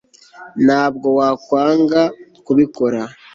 ntabwo wakwanga kubikora